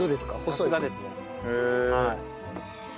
さすがですねはい。